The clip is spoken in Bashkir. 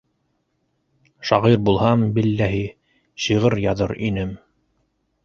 - Шағир булһам, биллаһи, шиғыр яҙыр инем!